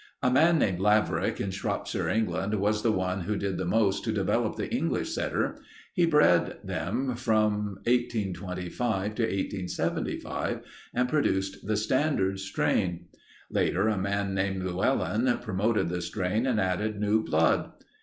"A man named Laverack in Shropshire, England, was the one who did the most to develop the English setter. He bred them from 1825 to 1875 and produced the standard strain. Later a man named Llewellyn promoted the strain and added new blood.